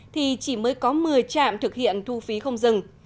thì chỉ mới có một mươi trạm thực hiện thu phí không dừng